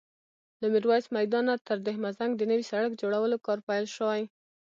له ميرويس میدان نه تر دهمزنګ د نوي سړک جوړولو کار پیل شوی